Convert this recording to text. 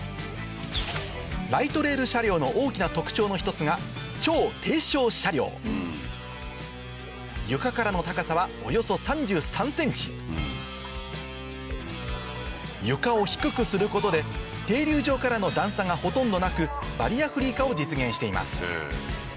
ライトレール車両の大きな特徴の１つが床からの高さはおよそ３３ｃｍ床を低くすることで停留場からの段差がほとんどなくバリアフリー化を実現しています